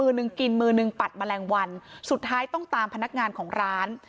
นึงกินมือนึงปัดแมลงวันสุดท้ายต้องตามพนักงานของร้าน